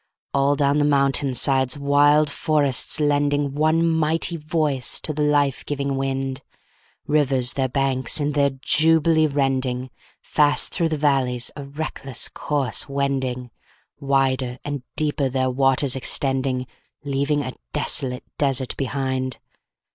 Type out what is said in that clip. All down the mountain sides wild forests lending One mighty voice to the life giving wind, Rivers their banks in their jubilee rending, Fast through the valleys a reckless course wending, Wider and deeper their waters extending, Leaving a desolate desert behind.